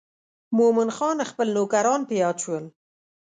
مومن خان خپل نوکران په یاد شول.